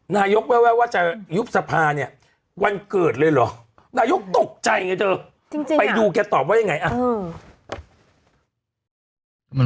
นายกแววว่าจะยุบสภาเนี่ย